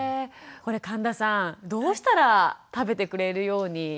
これ神田さんどうしたら食べてくれるようになるんでしょうか？